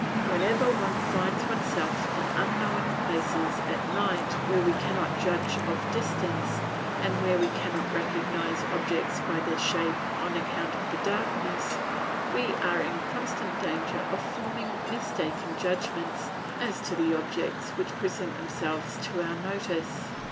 Whenever one finds oneself in unknown places at night where we cannot judge of distance, and where we cannot recognise objects by their shape on account of the darkness, we are in constant danger of forming mistaken judgments as to the objects which present themselves to our notice.